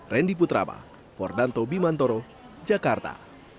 randy putraba fordanto bimantoro jakarta